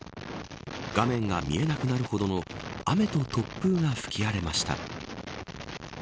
画面が見えなくなるほどの雨と突風が吹き荒れました。